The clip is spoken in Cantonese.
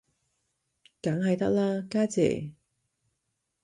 梗係得啦，家姐